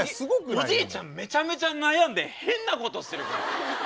おじいちゃんめちゃめちゃ悩んで変なことしてる。